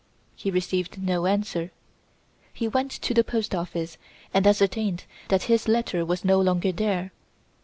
He received no answer. He went to the Post Office and ascertained that his letter was no longer there.